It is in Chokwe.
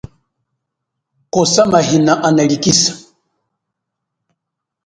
Kosa mahina analikhisa.